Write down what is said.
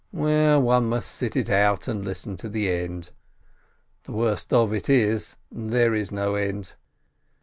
Well, one must sit it out and listen to the end. The worst of it is, there is no end.